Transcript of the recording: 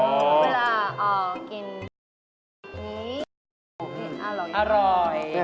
เวลากินเป็นนี้อร่อย